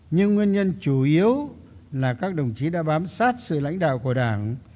nhưng nguyên nhân chủ yếu là các đồng chí đã bám sát sự lãnh đạo của đảng